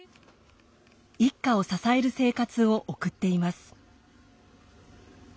一家を支える生活を送っています。